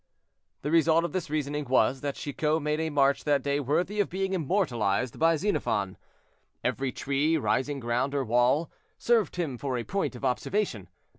The result of this reasoning was, that Chicot made a march that day worthy of being immortalized by Xenophon. Every tree, rising ground, or wall, served him for a point of observation.